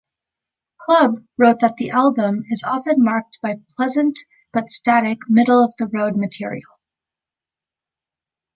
Club" wrote that the album "is often marked by pleasant but static, middle-of-the-road material.